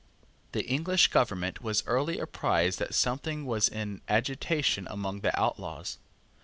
The English government was early apprised that something was in agitation among the outlaws.